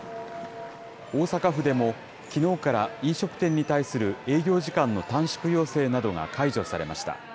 大阪府でも、きのうから飲食店に対する営業時間の短縮要請などが解除されました。